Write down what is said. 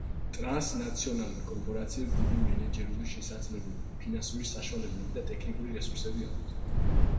ტრანსნაციონალურ კორპორაციებს დიდი მენეჯერული შესაძლებლობები, ფინანსური საშუალებები და ტექნიკური რესურსები აქვთ.